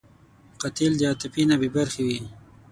قاتل د عاطفې نه بېبرخې وي